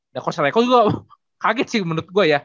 dan coach raico juga kaget sih menurut gue ya